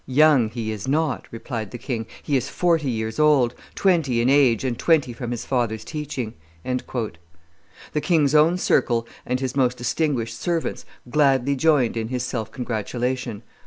"Young he is not," replied the king; "he is forty years old, twenty in age and twenty from his father's teaching." The king's own circle and his most distinguished servants gladly joined in his self congratulation.